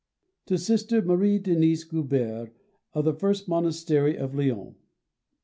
_To Sister Marie Denise Goubert, of the First Monastery of Lyons.